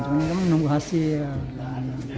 cuman kan menunggu hasil